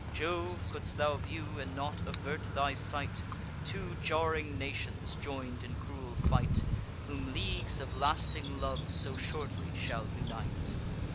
Jove, could'st thou view, and not avert thy sight, Two jarring nations join'd in cruel fight, Whom leagues of lasting love so shortly shall unite!